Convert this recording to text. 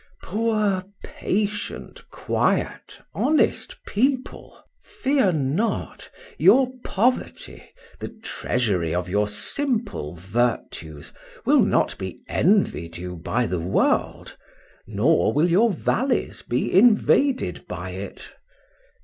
Poor, patient, quiet, honest people! fear not: your poverty, the treasury of your simple virtues, will not be envied you by the world, nor will your valleys be invaded by it.